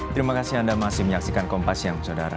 terima kasih anda masih menyaksikan kompas yang saudara